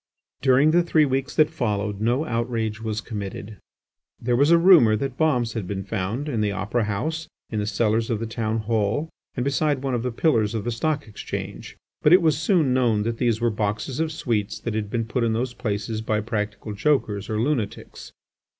During the three weeks that followed no outrage was committed. There was a rumour that bombs had been found in the Opera House, in the cellars of the Town Hall, and beside one of the Pillars of the Stock Exchange. But it was soon known that these were boxes of sweets that had been put in those places by practical jokers or lunatics.